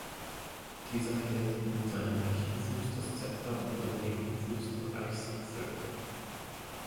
Dieser hält in seinem rechten Fuß das Zepter und im linken Fuß den Reichsapfel.